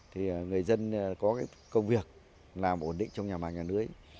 thì người dân có cái công việc làm ổn định trong nhà màng nhà lưới